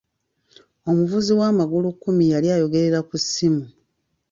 Omuvuzi wa magulu kkumi yali ayogerera ku ssimu.